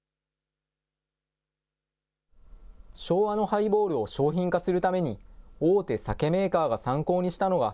昭和のハイボールを商品化するために、大手酒メーカーが参考にしたのが、